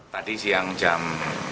tadi siang jam dua empat puluh lima